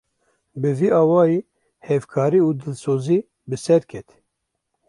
Bi vî awayî hevkarî û dilsozî bi ser ket